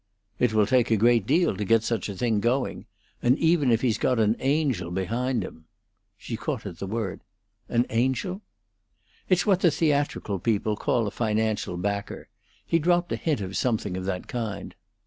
"It will take a great deal to get such a thing going; and even if he's got an Angel behind him " She caught at the word "An Angel?" "It's what the theatrical people call a financial backer. He dropped a hint of something of that kind."